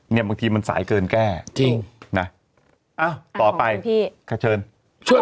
เนี่ยบางทีมันสายเกินแก้เอ้าต่อไปของของพี่